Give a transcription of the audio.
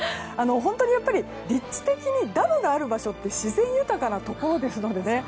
本当に立地的にダムがある場所って自然豊かなところですのでね。